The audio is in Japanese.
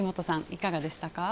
いかがでしたか？